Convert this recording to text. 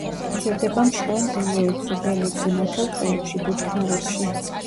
იზრდება მშრალ მდელოებზე, ველებზე, ნათელ ტყეებში, ბუჩქნარებში.